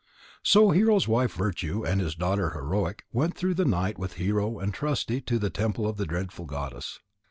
So Hero's wife Virtue and his daughter Heroic went through the night with Hero and Trusty to the temple of the Dreadful Goddess.